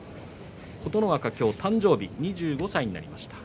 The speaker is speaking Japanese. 琴ノ若は今日、誕生日で２５歳になりました。